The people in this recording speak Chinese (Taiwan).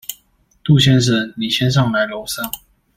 杜先生，你先上來樓上